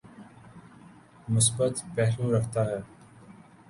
مثبت پہلو رکھتا ہے۔